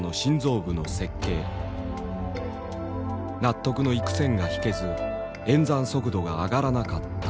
納得のいく線が引けず演算速度が上がらなかった。